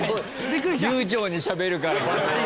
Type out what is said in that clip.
流ちょうにしゃべるから。